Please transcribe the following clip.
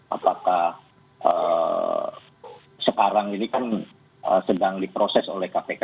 apakah sekarang ini kan sedang diproses oleh kpk